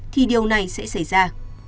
thì điều này sẽ xảy ra